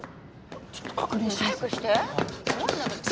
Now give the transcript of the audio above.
ちょっと確認してみます。